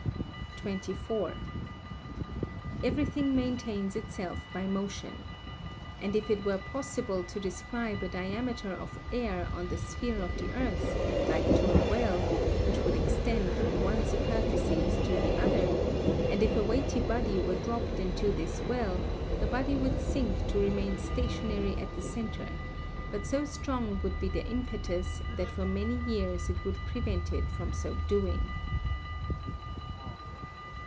24. Everything maintains itself by motion. And if it were possible to describe a diameter of air on the sphere of the earth, like to a well, which would extend from one superficies to the other, and if a weighty body were dropped into this well, the body would seek to remain stationary at the centre, but so strong would be the impetus that for many years it would prevent it from so doing.